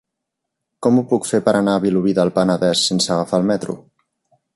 Com ho puc fer per anar a Vilobí del Penedès sense agafar el metro?